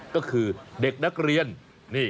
ก็คือเด็กนักเรียนนี่